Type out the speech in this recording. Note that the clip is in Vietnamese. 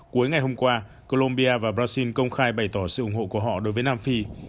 cuối ngày hôm qua colombia và brazil công khai bày tỏ sự ủng hộ của họ đối với nam phi